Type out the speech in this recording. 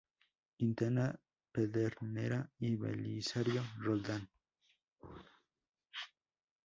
Quintana, Pedernera y Belisario Roldán.